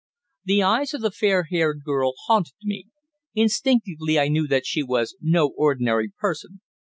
The eyes of the fair haired girl haunted me. Instinctively I knew that she was no ordinary person.